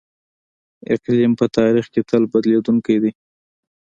اقلیم په تاریخ کې تل بدلیدونکی دی.